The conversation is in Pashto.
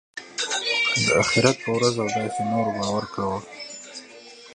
د آخرت په ورځ او داسي نورو باور کول .